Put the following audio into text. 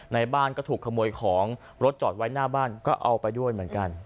ในบ้านก็ถูกขโมยของรถจอดไว้หน้าบ้านก็เอาไปด้วยเหมือนกัน